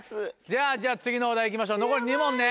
じゃあ次のお題いきましょう残り２問ね。